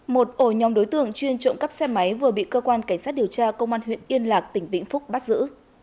một ổ nhóm đối tượng chuyên trộm cắp xe máy vừa bị cơ quan cảnh sát điều tra công an huyện yên lạc tỉnh vĩnh phúc bắt giữ